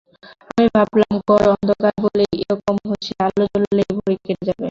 আমি ভাবলাম ঘর অন্ধকার বলেই এ-রকম হচ্ছে, আলো জ্বললেই ভয় কেটে যাবে।